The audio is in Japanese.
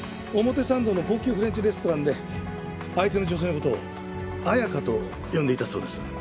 表参道の高級フレンチレストランで相手の女性の事をあやかと呼んでいたそうです。